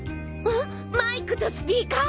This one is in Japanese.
マイクとスピーカー？